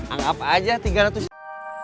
anggap aja tiga ratus